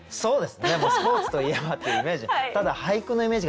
スポーツといえばっていうイメージ。